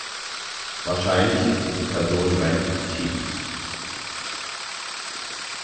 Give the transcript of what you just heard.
Wahrscheinlich ist diese Person rein fiktiv.